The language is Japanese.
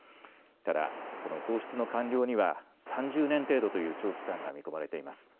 ただ、放出の完了には３０年程度という長期間が見込まれています。